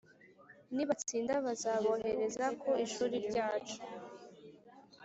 nibatsinda bazabohereze ku ishuri ryacu.